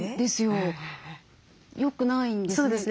よくないんですね。